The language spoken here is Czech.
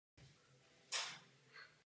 Tento fakt má význam především ve městech.